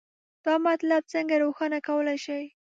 دا مطلب څنګه روښانه کولی شئ؟